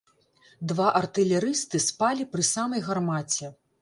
Два артылерысты спалі пры самай гармаце.